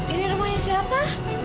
ini rumahnya siapa